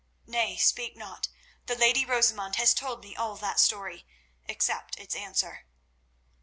Nay, speak not; the lady Rosamund has told me all that story—except its answer."